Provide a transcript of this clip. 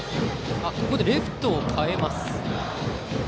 ここでレフトを代えます。